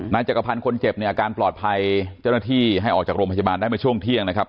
จักรพันธ์คนเจ็บเนี่ยอาการปลอดภัยเจ้าหน้าที่ให้ออกจากโรงพยาบาลได้เมื่อช่วงเที่ยงนะครับ